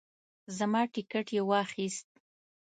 زما ټیکټ یې واخیست.